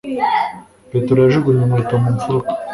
Petero yajugunye inkweto mu mfuruka